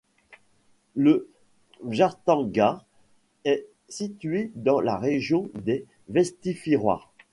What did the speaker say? Le Bjargtangar est situé dans la région des Vestfirðir.